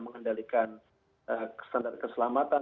mengendalikan standar keselamatan